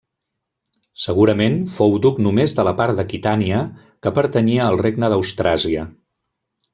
Segurament fou duc només de la part d'Aquitània que pertanyia al regne d'Austràsia.